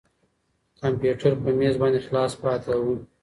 کمپیوټر په مېز باندې خلاص پاتې و.